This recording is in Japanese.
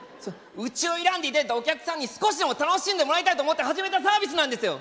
うちを選んでいただいたお客さんに少しでも楽しんでもらいたいと思って始めたサービスなんですよ！